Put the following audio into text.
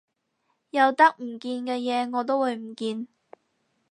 有得唔見嘅嘢我都會唔見